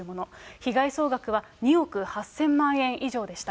被害総額は２億８０００万円以上でした。